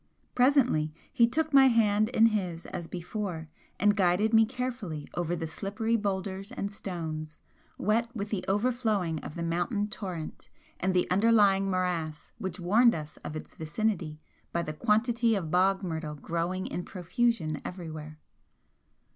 Presently he took my hand in his as before, and guided me carefully over the slippery boulders and stones, wet with the overflowing of the mountain torrent and the underlying morass which warned us of its vicinity by the quantity of bog myrtle growing in profusion everywhere.